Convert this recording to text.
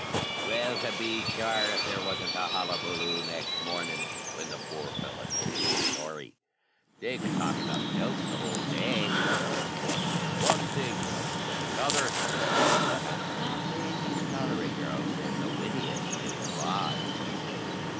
Well, to be sure if there wasn't a hullabullo next morning when the poor fellow told his story! They could talk of nothing else the whole day. One said one thing, another said another, but a fat, lazy scullery girl said the wittiest thing of all.